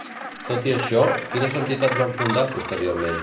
Tot i això, quines entitats va fundar posteriorment?